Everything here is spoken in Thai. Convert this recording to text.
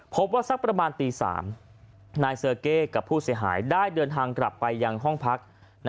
สักประมาณตี๓นายเซอร์เก้กับผู้เสียหายได้เดินทางกลับไปยังห้องพัก